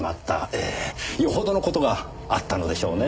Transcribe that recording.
ええよほどの事があったのでしょうねぇ。